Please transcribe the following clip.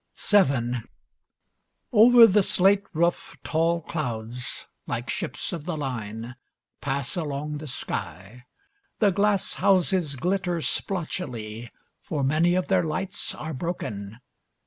VII Over the slate roof tall clouds, like ships of the line, pass along the sky. The glass houses glitter splotchily, for many of their lights are broken.